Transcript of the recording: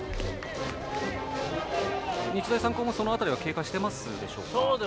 日大三高もその辺りは警戒していますでしょうか。